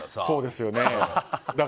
そうですよね。